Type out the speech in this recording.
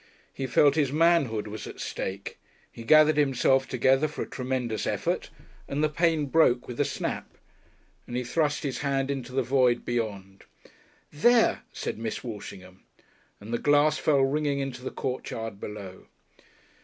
He felt his manhood was at stake. He gathered himself together for a tremendous effort, and the pane broke with a snap, and he thrust his hand into the void beyond. "There!" said Miss Walshingham, and the glass fell ringing into the courtyard below.